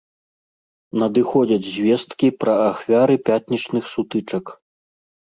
Надыходзяць звесткі пра ахвяры пятнічных сутычак.